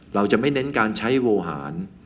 เราจะไม่เน้นการใช้โวหาร